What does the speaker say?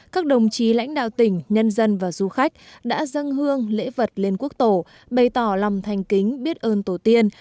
các đồng chí lãnh đạo tỉnh nhân dân và du khách đã dâng hương lễ vật lên quốc tổ bày tỏ lòng thanh kính biết ơn tổ tiên